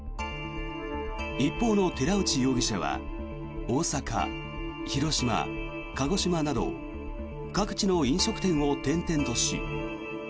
一方の寺内容疑者は大阪、広島、鹿児島など各地の飲食店を転々とし。